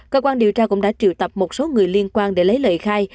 cơ quan điều tra cũng đã triệu tập một số người liên quan để lấy lời khai